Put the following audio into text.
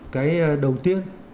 cái đầu tiên